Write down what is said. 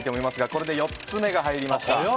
これで４つ目が入りました。